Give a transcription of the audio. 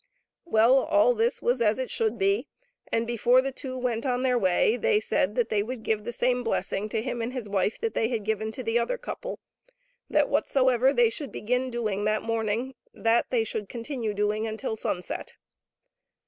Well, all this was as it should be, and before the two went on their way they said that they would give the same blessing to him and his wife that they had given to the other couple — that whatsoever they should begin doing that morning, that they should continue doing until sunset.